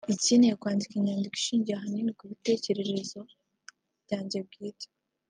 Ikinteye kwandika iyi nyandiko ishingiye ahanini ku bitekerezo byanjye bwite